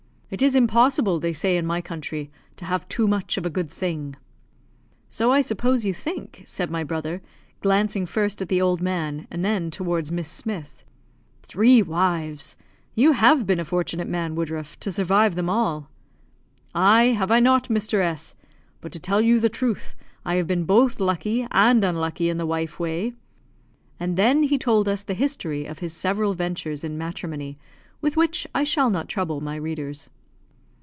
It is impossible, they say in my country, to have too much of a good thing." "So I suppose you think," said my brother, glancing first at the old man and then towards Miss Smith. "Three wives! You have been a fortunate man, Woodruff, to survive them all." "Ay, have I not, Mr. S ? But to tell you the truth, I have been both lucky and unlucky in the wife way," and then he told us the history of his several ventures in matrimony, with which I shall not trouble my readers.